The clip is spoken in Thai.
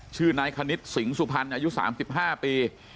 ชื่อนายคณิตสิงสุพรรณอายุ๓๕ปี